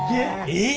えっ！